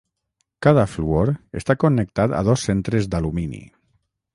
Cada fluor està connectat a dos centres d'alumini.